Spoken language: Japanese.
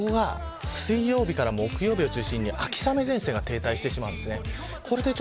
ここが水曜日から木曜日あたりを中心に秋雨前線が停滞してしまうんです。